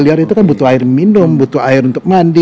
delapan miliar itu kan butuh air untuk minum butuh air untuk mandi